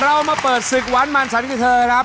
เรามาเปิดศึกหวานมันฉันกับเธอครับ